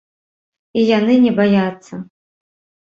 І яны не баяцца.